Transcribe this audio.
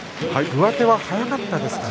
上手は速かったですか？